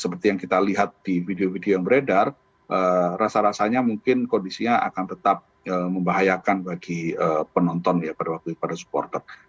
seperti yang kita lihat di video video yang beredar rasa rasanya mungkin kondisinya akan tetap membahayakan bagi penonton ya pada waktu itu pada supporter